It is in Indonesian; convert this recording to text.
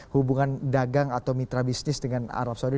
hubungan dagang atau mitra bisnis dengan arab saudi